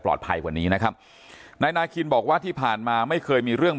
กว่านี้นะครับนายนาคินบอกว่าที่ผ่านมาไม่เคยมีเรื่อง